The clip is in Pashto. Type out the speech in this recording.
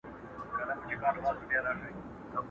له یوه کونجه تر بله پوري تلله!.